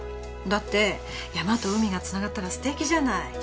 だって山と海がつながったらすてきじゃない？